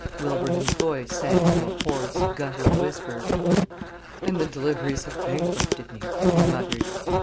Wilbraham's voice sank to a hoarse, guttural whisper. "And the deliveries have bankrupted me," he muttered.